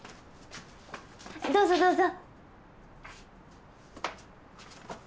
どうぞどうぞ。